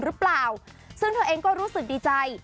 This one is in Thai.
หรือเปล่าซึ่งเธอเองก็รู้สึกดีใจ